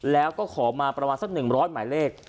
แล้วก็ขอมาประมาณสัก๑๐๐หมายเลข